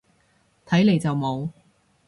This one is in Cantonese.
睇嚟就冇